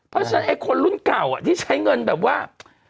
เพราะฉะนั้นไอ้คนรุ่นเก่าที่ใช้เงินแบบว่า